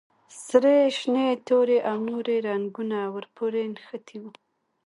سرې، شنې، تورې او نورې رنګونه ور پورې نښتي وو.